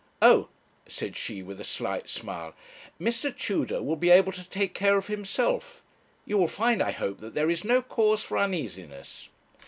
'Oh,' said she, with a slight smile, 'Mr. Tudor will be able to take care of himself; you will find, I hope, that there is no cause for uneasiness.'